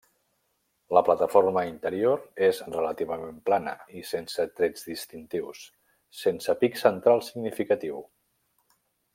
La plataforma interior és relativament plana i sense trets distintius, sense pic central significatiu.